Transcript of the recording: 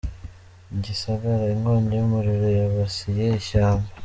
Gisagara : Inkongi y’umuriro yibasiye ishyamba.